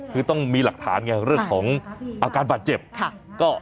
คือต้องมีหลักฐานไงเรื่องของอาการบาดเจ็บ